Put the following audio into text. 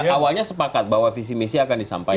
awalnya sepakat bahwa visi misi akan disampaikan